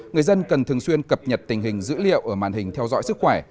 người dân cần thường xuyên cập nhật tình hình dữ liệu ở màn hình theo dõi sức khỏe